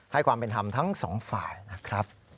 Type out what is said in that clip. ความเป็นธรรมทั้งสองฝ่ายนะครับ